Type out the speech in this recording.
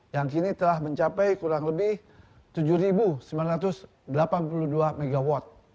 yang kini telah mencapai kurang lebih tujuh sembilan ratus delapan puluh dua mw